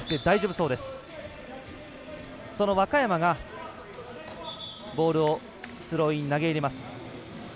その若山がボールをスローイン投げ入れます。